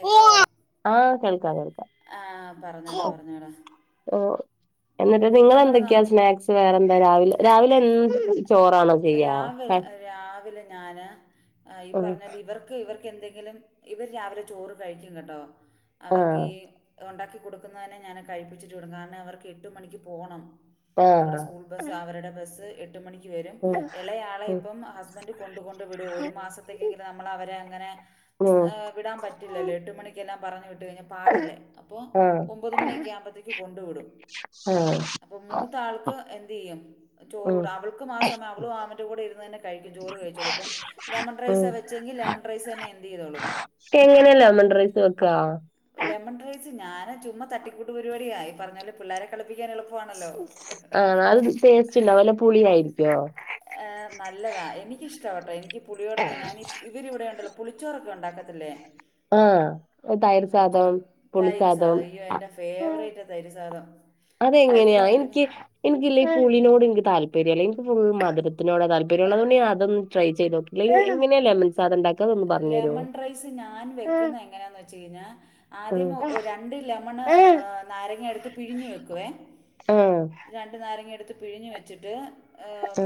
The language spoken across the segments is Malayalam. കേക്കാവോടാ ആഹ് കേൾക്കാം കേൾക്കാം ആ പറഞ്ഞോടാ പറഞ്ഞോടാ അപ്പൊ എന്നിട്ട് കുഞ്ഞുങ്ങൾ നിങ്ങെളെന്തൊക്കെയാ സ്നാക്സ് വേറെന്താ രാവിലെ രാവിലെ എന്ത് ചോറാണ്? രാവിലെ രാവിലെ ഞാന് ഈ ഉം പറഞ്ഞ ഇവർക്ക് ഇവർക്ക് ക്കെന്തെിലും ഇവർ രാവിലെ ചോറ് കഴിക്കും കേട്ടോ അവർക്ക് ആഹ് ഈ ഒണ്ടാക്കി കൊട് ഞാന് കഴിപ്പിച്ചിട്ട് വിട്ണ് കാരണം അവർക്ക് എട്ടുമണിക്ക് പോണം ഇവടെ ആഹ് സ്കൂ അവരുടെ ബസ്സ് എട്ട് മണിക്ക് വരും. ഉം എളയാളെപ്പം ഹസ്ബൻറ് കൊണ്ട് കൊണ്ട് വിടു ഒരു മാസത്തേക്കെങ്കിലും നമ്മള് അവരെ അങ്ങനെ ഉം ഉം ഏഹ് വിടാൻപറ്റില്ലല്ലോ എട്ട് മണിക്കെല്ലാം പറഞ്ഞു വിട്ടു കഴിഞ്ഞ പാടല്ലേ അപ്പൊ ആഹ് ഒമ്പത് മണിയൊക്കെ ആവുമ്പോത്തേക്ക് കൊണ്ടു വിടും. ആഹ് പ്പൊ മൂത്താൾക്ക് എന്ത്യ്യും ഉം ചോറൂട അവൾക്ക് മാസം ആ മാവൻ്റെ കൂടെയീരുന്ന് തന്നെ കഴിക്കും ചോറ് കഴിച്ചോളും ഇപ്പൊ ലെമൺ ഉം റൈസാ വെച്ചെങ്കി ലെമൺ റൈസെന്നെ എന്തീ തോളൂ എങ്ങനെ? ലെമൺ റൈസ് വെക്കാ ലെമൺ റൈസ് ഞാന് ചുമ്മ തട്ടിക്കൂട്ട് പരിപാടിയാ ഈ പറഞ്ഞാല് പിള്ളേരെ കളിപ്പിക്കാനെള് ആഹ് നല്ല ടേസ്റ്റ് ണ്ടാവോ അല്ല പുളിയായിരിക്കോ? ആഹ് നല്ലതാ എനിക്കിഷ്ടാട്ടൊ എനിക്ക് പുളിയോടൊക്കെ ഞാന് ഇവരിവിടെയ്ണ്ടല്ലോ പുളിച്ചോറൊക്കെ ണ്ടാക്കത്തില്ലേ? ആഹ് തൈര് സാദം പുളിചോറ് തൈര് സാധായ്യോ എന്റെ പുളിസാദം ഫേവറേറ്റ് തൈര്സാധാ അതെങ്ങനെയാ എനിക്ക് എനിക്കില്ലേ ഈ പുളിനോട് എനിക്ക് താൽപരൃല്ല എനിക്ക് ഫുൾ മധുരത്തിനോടാ താല്പര്യം ള്ളതോണ്ട് ഞാനതൊന്ന് ട്രൈ ചെയ്തോ ഇങ്ങനെയാ ലെമൻ ലെമൺ റൈസ് ഞാൻ വെക്കുന്ന എങ്ങനാന്ന് വെച്ച് കഴിഞ്ഞാ ഉം ആദ്യം ഒ ആഹ് രണ്ട് ലെമണ് ആഹ് ഏഹ് നാരങ്ങ എടുത്ത് പിഴിഞ്ഞ് വെക്കുവേ ആഹ് രണ്ട് നാരങ്ങെടുത്ത് പിഴിഞ്ഞ് വെച്ചിട്ട്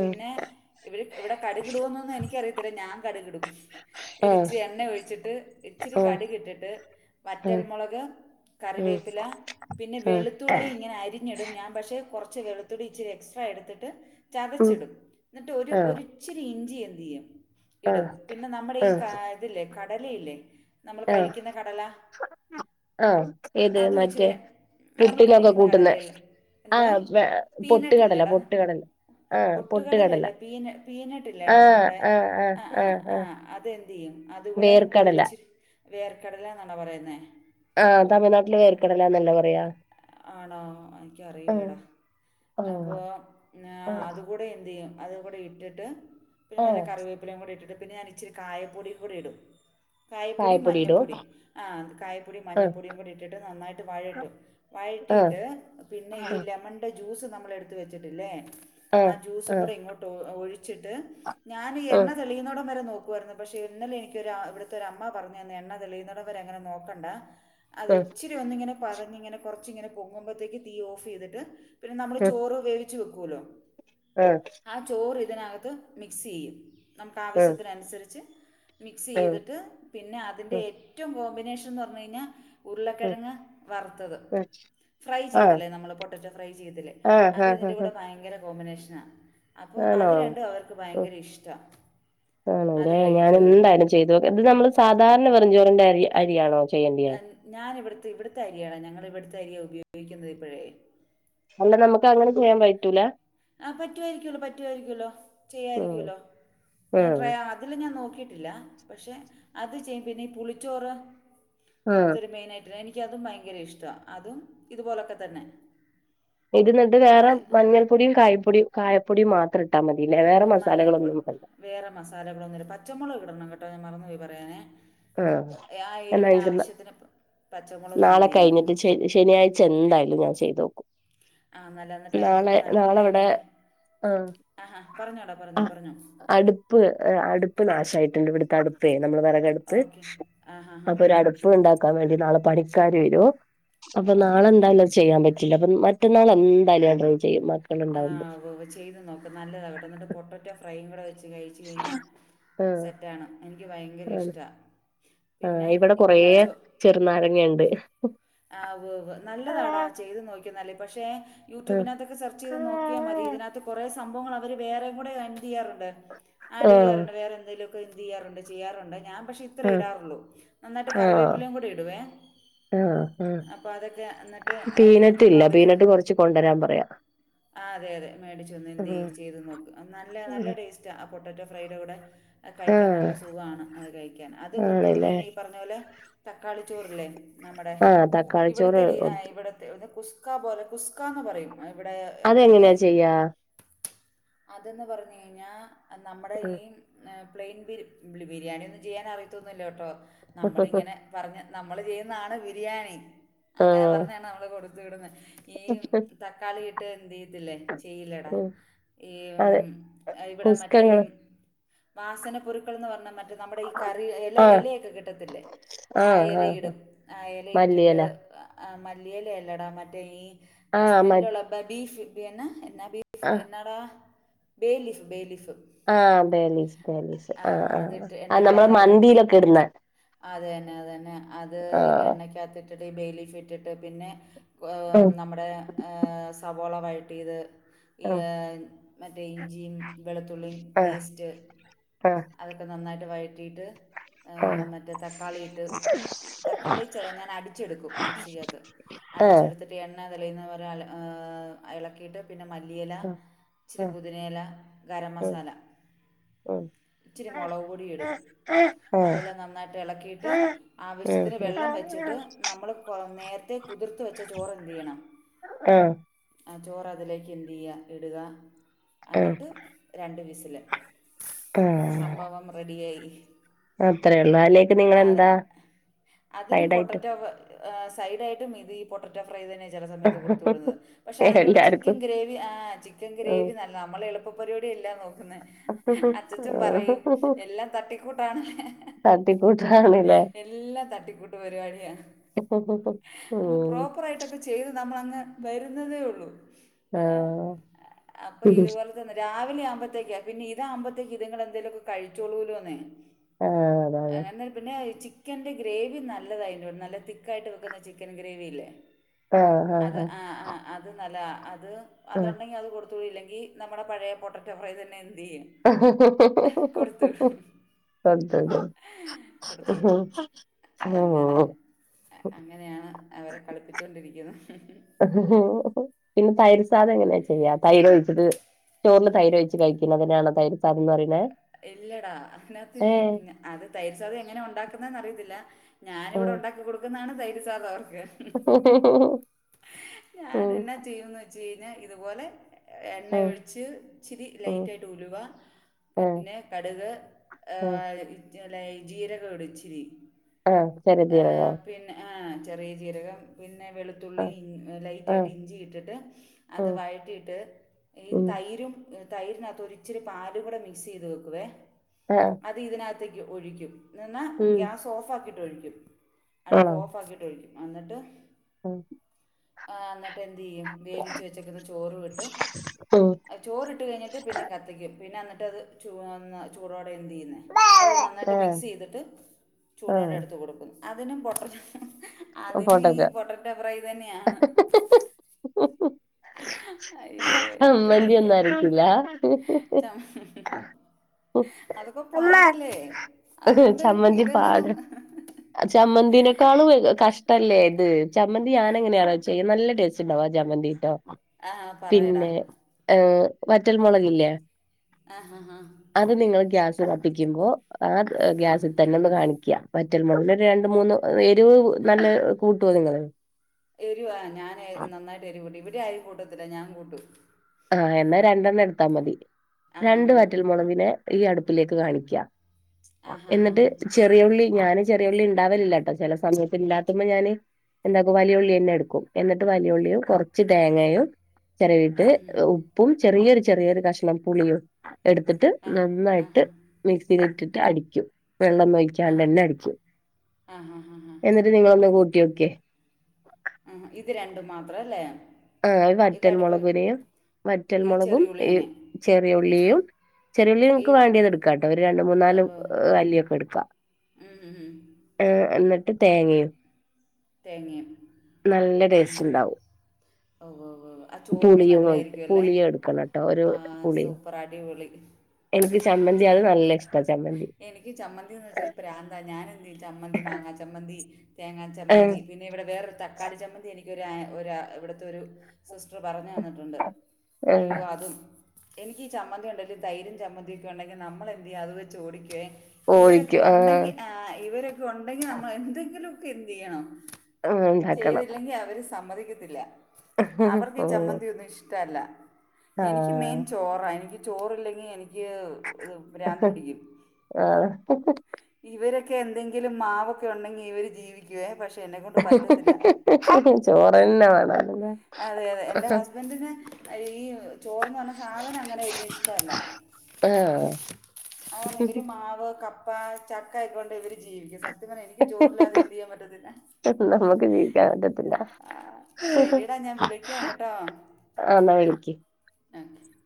പിന്നെ ഇവര് ഇവിടെ കടുകിടോന്നൊന്നും എനിക്കറിയത്തില്ല ഞാൻ കടുകിടും. ആഹ് ര്ച്ചിരി എണ്ണ ഒഴിച്ചിട്ട് ഇച്ചിരി ആഹ് കട് കിട്ടിട്ട് വറ്റൽമൊളക് ഉം കറിവേപ്പില പിന്നെ ആഹ് വെളുത്തുള്ളീനി ങ്ങനെ അരിഞ്ഞിടും ഞാൻ പക്ഷെ കുറച്ച് വെളുത്തൂടി ഇച്ചിരി എക്സ്ട്രാ എടുത്തിട്ട് ഉം ചതച്ചിടും എന്നിട്ട് ഒരു ആഹ് ഒച്ചിരി ഇഞ്ചി എന്ത് ചെയ്യും ആഹ് ഇടും പിന്നെ നമ്- മ്മടെ ഈ ആഹ് ഇതില്ലേ കടലയില്ലേ നമ്മൾ ആഹ് കഴിക്കുന്ന കടലാ ആഹ് ഏത് മറ്റേ നമ്മൾ പുട്ടിനൊക്കെ കഴിക്കുന്ന കൂട്ടുന്നെ കടലയില്ലേ എന്തോ ആഹ് പൊട്ട് പീനട്ട് കടല ഇല്ലേടാ പൊട്ട് കടല ആഹ പൊട്ട് കടല പൊട്ടുകടലയല്ല പീന പീനട്ട് ഇല്ലേടാ ആഹ് ആഹ് ആഹ് ആഹ് ആഹ് അതെന്തിയ്യും അതുകൂടെ വേർക്കടല ഒരിച്ചിരി വേർക്കടല എന്നാണോ പറയുന്നേ ആഹ് തമിഴ്നാട്ടില് വേർക്കടലാന്നല്ലെ പറയാ ആണോ ആഹ് ആഹ് അപ്പോ ന്നാ ആഹ് അത്- കൂടെ എന്ത് ചെയ്യും അത കൂടെ ഇട്ടിട്ട് പിന്നെ ആഹ് നല്ല കറിവേപ്പിലും കൂടെ ഇട്ടിട്ട് പിന്നെ ഞാൻ ഇച്ചിരി കായപ്പൊടിയും കൂടി ഇടും കായപ്പൊടി മഞ്ഞൾപ്പൊടി ആ കായപ്പൊടി ആഹ് മഞ്ഞൾപ്പൊടിയും കൂടി ഇട്ടിട്ട് നന്നായിട്ട് വഴട്ടും ആഹ് വഴറ്റിയിട്ട് പിന്നെ ഈ ലെമൺ ണ്ടെ ജ്യൂസ് നമ്മൾ എടുത്ത് വെച്ചിട്ടില്ലേ ആ ആഹ് ജ്യൂസും ആഹ് കൂടി ഇങ്ങട്ട് ഒഴിച്ചിട്ട് ഞാന ഈ ആഹ് എണ്ണതെളിയുന്നോടം വരെ നോക്കും രുന്നു പക്ഷെ ഇന്നലെ എനിക്കൊരു ഇവിടത്തെ ഒരമ്മ പറഞ്ഞു തന്ന് എണ്ണ തെളിയുന്നുന്നത്വരെ അങ്ങനെ നോക്കണ്ട ആഹ് അതൊച്ചരി ഒന്നിങ്ങനെ പതഞ് ഇങ്ങെ കുറച്ച് ഇങ്ങനെ പൊങ്ങുമ്പോഴത്തേക്ക് തീ ഓഫ് ചെയ്തിട്ട് പിന്നെ നമ്മൾ ആഹ് ചോറ് വേവിച്ച് വെക്കോല്ലോ ആഹ് ആ ചോറ് ഇതിനകത്ത് മിക്സ് ചെയ്യും നമുക്ക് ആഹ് ആഹ് ആവശ്യത്തിനനുസരിച്ച് മിക്സ് ആഹ് ആഹ് ചെയ്തിട്ട് പിന്നെ അതിൻ്റെ ഏറ്റവും കോമ്പിനേഷൻന്ന് പറഞ്ഞു കഴിഞ്ഞാ ഉരുളക്കിഴങ്ങ് വറുത്തത് ഫ്രൈ ചെയ്തില്ലേ നമ്മള് പൊട്ടറ്റോ ഫ്രൈ ചെയ്തില്ലേ ആഹ് അത് ആഹ് ഇതിന്റെ ആഹ് ആഹ് കൂടെ ഭയങ്കര കോമ്പിനേഷനാ അപ്പോ ആണോ അത് രണ്ടും അവർക്ക് ഭയങ്കര ഇഷ്ട ആണ് ലെ ഞാൻ എന്തായാലും ചെയ്തോക്ക് ഇത് നമ്മള് സാധാരണ വെറുഞ്ചോറിന്റെ അരി അരിയാണോ ചെയ്യണ്ടിയെ ഞാന് ഇവട്ത്തെ ഇവട്ത്തെ അരിയാണ് ഞങ്ങള് ഇവട്ത്തെ അരിയാ ഉപയോഗിക്കുന്നത് ഇപ്പഴേ അല്ല നമുക്ക് അങ്ങനെ ചെയ്യാം പറ്റൂല ആ പറ്റുവായിരിക്കൊല്ലോ പറ്റുവായിരിക്കൊല്ലോ ഉം ചെയ്യായിര്ക്കൊല്ലോ ഞാൻ ഉം ട്രൈ ആ അതില് ഞാൻ നോക്കിയിട്ടില്ല പക്ഷെ അത് ചെയ്യും പിന്നെ ഈ പുളിച്ചോറ് ഉം അവ്ത്തൊരു മെയിനായിട്ടര് എനിക്ക് അതും ഭയങ്കര ഇഷ്ടാ അതും ഇതുപോലൊക്ക തന്നെ ഇത് ന്നട്ട് ആ, വേറെ മഞ്ഞൾപ്പൊടിയും കായപ്പൊടിം കായപ്പൊടിം മാത്രം ഇ ട്ടാ മതീ ലെ വേറെ മഞ്ഞപ്പൊടി മസാലകളോന്നും വേണ്ട വേറെ മസാലകളൊന്നുല്ല പച്ചമൊളക് ഇടണം കേട്ടോ ഞാൻ മറന്ന് പോയി പറയാനെ ആഹ് ആ എന്നാ എര്വ്ന് എനിക്ക് ന- ആവശ്യത്തിന് പ പച്ചമുളകും എന്തയ്യ ശ ശനിയാഴ്ച എന്തായാലും ഞാൻ ചെയ്തോക്കും ആ നല്ല ന്നട്ട് അയിന്റെ കൂടെ നല്ലെ ഇവിടെ ഇങ്ങനെ ആ അ ഹാ പറഞ്ഞോടാ പറഞ്ഞോ പറഞ്ഞോ പ്പ് അട്പ്പ് നാഷായിട്ട്ണ്ട് ഇവട്ത്തെ അടുപ്പേ നമ്മള് വെറകടുപ്പ് ഓക്കെ ആ ഹാ ഹാ അപ്പൊ ഹാ ഒര അട് പ്പ് ഇണ്ടാക്കാം വേണ്ടി നാളെ പണിക്കാര് വരും അപ്പൊ ഓക്കെ നാളെ ഓക്കെ എന്തായാലും അത് ചെയ്യാം പ റ്റില്ല അപ്പം മറ്റന്നാള് എന്താലും ഞാൻ ട്രൈ ചെയ്യും ആ ഉണ്ടാവുമ്പോ ചെയ്ത് നോക് നല്ലതാ കേട്ടോ ന്നട്ട് പൊട്ടറ്റോ ഫ്രൈയും കൂടെ വെച്ച് കഴി ച്ച് കഴിഞ്ഞ ആഹ് സെറ്റാണ് എനിക്ക് ഭയങ്കര ആണ് ഇഷ്ടാ ആ ഇവടെ കൊറേ ചെർനാരങ്ങ ഇണ്ട് ആ ഉവ്വ് വ്വ് നല്ലതാടാ ചെയ്ത് നോക്കിയുന്നല്ലേ പക്ഷെ ആഹ് യൂട്യൂബിനകത്തൊക്കെ സെർച്ച് ചെയ്ത് നോക്കിയാ മതി ഇതിനകത്ത് കോറെ സംഭവങ്ങള് അവര് വേറെയും കൂടെ എന്തയ്യാറുണ്ട് ആഡ് ചെയ്യാറുണ്ട് ആഹ് വേറെ എന്തെലൊക്കെ എന്ത് ചെയ്യാറുണ്ട് ചെയ്യാറുണ്ട് ഞാൻ പക്ഷെ ഇ ത്രയേ ഇടാറുള്ളൂ നന്നായിട്ട് കറിവേപ്പിലേയും കൂടെ ഇടുവേ ആഹ് ആഹ് അപ്പൊ അതൊക്കെ അന്ന്ട്ട് അത് കൊടുത്തു പീനട്ട് വിടും ഇല്ല അവര്ക്ക് പീനട്ട് കൊറച്ച് കൊണ്ടുവരാൻ പറയാം ആ അതെ അതെ മേടിച് ഒന്ന് എന്തയ് ആഹ് ചെയ്തു നോക്ക് നല്ല നല്ല ടേസ് ക്ക ആ പൊട്ടറ്റൊ ഫ്രെയിടെ കൂടെ കഴിക്കാൻ ആഹ് നല്ല സുഖാണ് അത് കഴിക്കാൻ അത് കൊടുത്തുവിടും ആണല്ലേ പിന്നെ ഈ പറഞ്ഞ പോലെ തക്കാളി ചോറ്ല്ലേ നമ്മടെ ആ ത ഇവട്ത്തെ രീ ആ ഇവടത്തെ ഒ കുസ്കാ പോലെ കുസ്കാന്ന് പറയും എവടെ എവടെന്ന് അതെങ്ങനെയാ ചെയ്യാ അതന്ന് പറഞ് കഴിഞ്ഞാ നമ്മടെ ഉം ഈ പ്ലെയിൻ ബിരി ബിരിയാണി ഒന്നും ചെയ്യാൻ അറിയത്തൊന്നു ഇല്ല കെട്ടോ നമ്മളിങ്ങനെ പറഞ് നമ്മള് ചെയ്യ്ന്നാണ് ബിരിയാണി അങ്ങനെ ആഹ് പറഞ്ഞാണ് നമ്മള് കൊടുത്തു വിടുന്ന ഈ തക്കാളി ഇട്ട് എന്തയ്യത്തില്ലേ ചെയ്യില്ലടാ ഈ ഉം അതെ ഇവടെ മറ്റേ കുസ്കങ്ങള് വാസനപ്പൊരുക്കൾ ന്ന് പർഞ്ഞാ മറ്റേ നമ്മുടെ ഈ കറി എല ആഹ് എലയൊക്കെ കിട്ടത്തില്ലേ ആ ആഹ് ആഹ് എലയിടും ആ എലയിട്ട്ട്ട് മല്ലിയെല മല്ലി എല എല്ലടാ മറ്റേ ഈ ആഹ് മ സ്മെല്ലുള്ള ബീഫ് എന്നാ എന്നാ ബീഫ് ആഹ് എന്നാടാ ബേ ലീഫ് ബെ ലീഫ് ആ ബേ ലീഫ് ബേ ലീഫ് ആ ആ അ നമ്മള് മന്ദീലൊക്ക ഇടുന്നെ അതെന്നെ അതന്നെ അത് ആഹ് എണ്ണക്കകത്ത് ഇട്ട്ട്ട് ഈ ബേ ലീഫ് ഇട്ടിട്ട് പിന്നെ ഉം നമ്മുടെ ഏ സവോള വഴട്ടിയത് ഈ ആഹ് മറ്റേ ഇഞ്ചിം വെളുത്തുള്ളീം പേസ്റ്റ് ആഹ് അതൊക്കെ നന്നായിട്ട് വഴറ്റിയിട്ട് ആഹ് മറ്റേ തക്കാളി ഇട്ട് തക്കാളി ചെ ഞാൻ അടിച്ചെടുക്കും മിക്സിക്കകത്ത് ആഹ് അടിച്ചെടുത്തിട്ട് എണ്ണ തെളിയുന്ന വരെ ഏഹ് എളക്കിട്ട് പിന്നെ മല്ലിയെല ആഹ് ഇച്ചിരി ആഹ് പൊതിനെയെല ഗരം ആഹ് ഉം മസാല ആഹ് ഇച്ചിരി മൊളക് പൊടിം ഇടും, ഉം അതെല്ലാം നന്നായിട്ട് എളക്കീട്ട് ആവശ്യത്തിന് ഉം വെള്ളം വെച്ചിട്ട് നമ്മള് കൊ നേരത്തെ കുതിർത്ത് വെച്ച ചോറ് എന്തെയ്യണം ആഹ്. ആ ചോറ് അതിലേക്കെന്തെയ്യ ഇടുക, ആഹ് അന്നിട്ട് രണ്ട് വിസില് ആഹ് സംഭവം റെഡിയായി. അത്രേ ഉള്ളൂ അതിലേക്ക് ആഹ്, നിങ്ങളെന്താ അതിലും സൈഡായിട്ട് പൊട്ടറ്റോ പ ആഹ് സൈഡായിട്ട് മിതി പൊട്ടറ്റ ഫ്രൈ തന്നെ ചെല സമയത്ത് കൊടുത്ത് വിടുന്നത്. പക്ഷെ അതിന്റെ കൂടെ ചിക്കൻ എല്ലാർക്കും ഗ്രേവി ആഹ് ചിക്കൻ ഗ്രേവി നല് ആഹ് നമ്മള് എളുപ്പ പരിപാടിയല്ല നോക്കുന്നേ, അച്ഛൻ പറയും ഉം എല്ലാം തട്ടിക്കൂട്ടാണ് [inaudible] തട്ടിക്കൂട്ടാണ്ല്ലേ എല്ലാം തട്ടിക്കൂട്ട് പരിപാടിയാ, അങ്ങ് പ്രോപ്പ യിട്ടൊക്കെ ചെയ്ത് നമ്മളങ്ങ് വരുന്നതേ ഒള്ളൂ ഏഹ്, അപ്പൊ ഉം യുവർ രാവിലെ ആകുമ്പഴ്ത്തേക്ക് പിന്നെ ഇതാകുമ്പഴ്ത്തേക്ക് ഇതിലെന്തേലൊക്കെ കഴിച്ചോളൂലൊന്നെ ആഹ് അതാണ് അങ്ങന പിന്നെ ചിക്കന്റെ ഗ്രേവി നല്ലതായിരുന്നു നല്ല തിക്കായിട്ട് വെക്കുന്ന ചിക്കൻ ഗ്രേവിയില്ലേ അത് ആഹ് ആഹ് ആഹ് അ ത് നല്ലതാ അത് ആഹ് അതുണ്ടെങ്കി അത് കൊടുത്ത് വിടും ഇല്ലെങ്കി നമ്മടെ പഴയ പൊട്ടറ്റോ ഫ്രൈ തന്നെ എന്തെയ്യും [unintelligible] കൊടുത്തിടും കൊടുത്തു [unintelligible] അ അങ്ങനെയാണ് അവരെ കളിപ്പിച്ചൊണ്ടിരിക്കുന്ന പിന്നെ തൈര് സാധം എങ്ങനെയാ ചെയ്യാ തൈര് ഒഴിച്ചത് ചോറില് തൈരൊഴി ച്ച് കഴിക്കുന്നതിനെയാണോ തൈര് സാധം എന്ന് പറയ്ണേ ഇല്ലടാ അതിനകത്ത് ഇല്ല അത് തൈര് സാധം എങ്ങനെ ഉണ്ടാക്കുന്നെന്ന് അറിയത്തില്ല ഞാന് ഇവടെ ആഹ് ഉണ്ടാക്കി കൊടുക്കുന്നതാണ് തൈര് സാധവൊക്കെ [inaudible] ഉം ഞാനെന്നാ ചെയ്യൂന്ന് ചീഞ്ഞാ ഇത് പോലെ എണ്ണ ഉം ഒഴിച്ച് ഇച്ചിരി ഉം ലൈറ്റായിട്ട് ഉലുവ ആഹ് പിന്നെ കട്ക് ആഹ് ഏഹ് ഇ ലൈ ജീരകം ഇടും ഇിച്ചിരി ആഹ് ചെറുജീരകോ ഏഹ് പിന്നെ ആഹ് ചെറിയ ജീരകം പിന്നെ വെളു ത്തുള്ളി ആഹ് ലൈറ്റായിട്ട് ആഹ് ഇഞ്ചി ഇട്ടിട്ട് അത് ഉം വഴറ്റിട്ട് ഈ ഉം തൈരും ഏഹ് തൈരിനകത്ത് ഇരിച്ചിരി പാലും കൂടെ മിക്സെയ്ത് വെക്കുവേ ആഹ്. അത് ഇതിനകത്തേക്ക് ഒഴിക്കും എന്നാ ഉം ഗ്യാസൊഫാക്കിട്ട് ഒഴിക്കും അടുപ്പോഫാക്കിട്ട് ഒഴിക്കും. എന്നട്ട് ആഹ് ആഹ് എന്നട്ട് എന്തെയ്യും വേവിച്ച് വെച്ചേക്കുന്ന ചോറും ഇട്ട് ഉം ചോറിട്ട് കഴിഞ്ഞ്ട്ട് പിന്നെ കത്തിക്കും പിന്നെ എന്നട്ടത് ചുവന്ന ചൂടോടെ എന്തെയ്യുന്നെ അത് നന്നായിട്ട് ആഹ് മിക്സെയ്തിട്ട് ചൂടോടെ ആഹ് എടുത്ത് കൊടു ക്കും. അതിനും പൊട്ട അതിനും ഈ പോട്ടക്ക പൊട്ടറ്റഫ്രൈയി തന്നെയാണ്. [inaudible] [inaudible] അയ്യോ എനിക്ക് അമ്മന്തി വയ്യ ഒന്നും അരകൂല്ലാ ചം അതൊക്കെ പാടല്ലേ അതുകൊണ്ട് ചമ്മന്തി ഇതല്ലേ പാട് നമ്മ ചമ്മന്തിനെക്കാളും കഷ്ടല്ലേ ഇത് ചമ്മന്തി ഞാനെങ്ങനെയാണച്ച ചെയ നല്ല ടേസ്റ്റ് ഉണ്ടാവാ ജാമന്തീട്ടോ ആ പറയടാ പിന്നെ ഏഹ് വറ്റൽ മുളകില്ലേ ആഹ് ആഹ് ആഹ് അത് നിങ്ങൾ ഗ്യാസ് കത്തിക്കുമ്പോ ആ ആ ഗ്യാസിൽ തന്നെ ഒന്ന് കാണിക്കാ വറ്റൽ മൊളക് രണ്ട് മൂന്ന് എരിവ് നല്ല കൂട്ടുവോ നിങ്ങള് എരുവാ ഞാൻ നന്നായിട്ട് എരു കൂട്ടു ഇവിടെ ആരും കൂട്ടത്തില്ല ഞാൻ കൂട്ടും ആഹ് എന്നാൽ രണ്ടെണ്ണം എടുത്താൽ മതി ആ ഹാ രണ്ട് ഹാ വറ്റൽ മൊളകിനെ ഈ അടുപ്പിലേക്ക് കാണിക്ക ആ ഹാ ഹാ എന്നിട്ട് ചെ റിയ ഉള്ളി ഞാന് ചെറിയുള്ളി ഉണ്ടാവലില്ല കേട്ടോ ചില സമയത്തില്ലാത്തുമ്പോ ഞാന് എന്താക്കും വലിയുള്ളി തന്നെ എടുക്കും എന്നിട്ട് വലിയുള്ളിയും കുറച്ച് തേങ്ങയും ചെറവിട്ട് ഉം ഉം. ഉപ്പും ചെറിയൊരു ചെറിയൊരു കഷ്ണം പുളിയും എടുത്തിട്ട് ആ ആ നന്നായിട്ട് ഹാ മിക്സിൽ ഇട്ടിട്ട് അടിക്കും വെള്ളം ഒഴിക്കാണ്ട് തന്നെ അടിക്കും ആ ഹാ ഹാ ഹാ എന്നിട്ട് നിങ്ങളൊ ഒന്ന് കൂട്ടിയോക്കെ ആഹ് ഇത് രണ്ടു മാത്രല്ലേ ആഹ് വറ്റൽമുളകിനെയും ഈ വറ്റൽമുളകും ഈ ചെറിയുള്ളീനെ ചെറിയ ഉള്ളിയും ചെറിയ ഉള്ളി ഈ നിങ്ങക്ക് വേണ്ടിയത് എടുക്കാട്ടോ ഒരു രണ്ട് മൂന്നാല് ഓ അല്ലിയൊക്കെ എടുക്കാ ഉം ഉം ഉം. ഏഹ് എന്നിട്ട് തേങ്ങയും തേങ്ങയും നല്ല ടേസ്റ്റ് ഉണ്ടാവും ഉവ്‌ ഉവ് വ് ആ ചോറിന് പുളിയും ഒഴി- നല്ലതായിരിക്കും അല്ലെ പുളിയും എടുക്കണം കേട്ടോ ഒരു ആ പുളിയും സൂപ്പർ അടിപൊളി എനിക്ക് ചമ്മന്തി ചെ അത് നല്ല ഇഷ്ടാ ചമ്മന്തി എനിക്ക് ചമ്മന്തിന്ന് വെച്ചാൽ പ്രാന്ത ഞാൻ എന് ചമ്മന്തി മാങ്ങാ ചമ്മന്തി തേങ്ങാ ആഹ് ചമ്മന്തി പിന്നെ ഇവിടെ വേറൊരു തക്കാളി ചമ്മന്തി എനിക്കൊരു ഒ ഇവട്ത്തെ ഒരു സിസ്റ്റർ പറഞ്ഞു തന്നിട്ടുണ്ട് ആഹ് അയ്യോ അതും എനിക്ക് ഈ ചമ്മന്തി ഉണ്ടെങ്കി തൈരും ചമ്മന്തിയൊക്കെ ഉണ്ടെങ്കിൽ നമ്മൾ എന്ത് ചെയ്യ അത് വെച്ച് ഓടിക്കേ ഇവരൊക്കെ കോഴിക്ക് ആഹ് ഉണ്ടെങ്കി ആ ഇവരൊക്കെ ഉണ്ടെങ്കി നമ്മൾ എന്തെങ്കിലൊക്കെ എന്ത് ചെയ്യണം ആഹ് ഉണ്ടാക്കണം ചെയ്തില്ലെങ്കി അവര് സമ്മതിക്കത്തില്ല അവർക്ക് ഈ ഓ ചമ്മന്തി ഒന്നും ഇഷ്ടല്ല എനിക്ക് മെയിൻ ആഹ് ചോറ എനിക്ക് ചോറ്ല്ലെങ്കി എനിക്ക് ഭ്രാന്ത് പിടിക്കും ആഹ് ഇവരൊക്കെ എന്തെങ്കിലും മാവൊക്കെ ഉണ്ടെങ്കിൽ ഇവര് ജീവി [unintelligible] പക്ഷെ എന്നെ കൊണ്ട് പറ്റത്തില്ല ചോറന്നെ വേണല്ലേ അതെതെ എന്റെ ഹസ്‌ ബൻ്റ്ന് ഈ ചോറ്ന്ന് പർഞ്ഞ സാധനം അങ്ങനെ യിനിക്ക് ഇഷ്ടല്ല ആഹ് ആ ഇവര് മാവ് ക പ്പ ചക്ക ആയിക്കൊണ്ട് ഇവര് ജീവിക്കും സത്യം പറഞ്ഞ എനിക്ക് ചോറില്ലാതെ ചെയ്യാൻ പറ്റത്തില്ല [unintelligible] നമ്മുക്ക് ജീവിക്കാൻ പറ്റത്തില്ല ആ ശരിടാ ഞാൻ ആഹ് വിളിക്കാം കേട്ടോ ന്ന വിളിക്ക് [unintelligible]